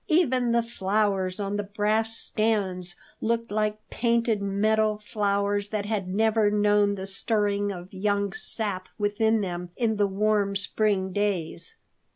Even the flowers on the brass stands looked like painted metal flowers that had never known the stirring of young sap within them in the warm spring days.